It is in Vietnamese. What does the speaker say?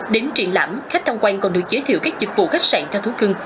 đến triển lãm khách tham quan còn được giới thiệu các dịch vụ khách sạn cho thú cưng